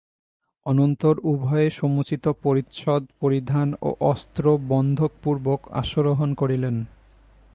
অনন্তর উভয়ে সমুচিত পরিচ্ছদ-পরিধান ও অস্ত্র বন্ধনপূর্বক অশ্বারোহণ করিলেন।